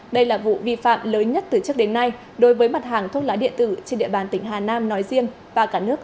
đây là vụ vi phạm lớn nhất từ trước đến nay đối với mặt hàng thuốc lá điện tử trên địa bàn tỉnh hà nam nói riêng và cả nước